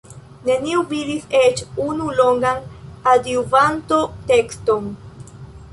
Neniu vidis eĉ unu longan Adjuvanto-tekston.